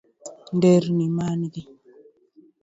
Nderni mangi